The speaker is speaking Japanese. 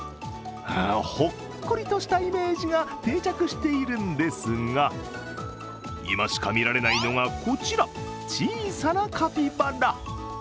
ほっこりとしたイメージが定着しているんですが今しか見られないのがこちら、小さなカピバラ。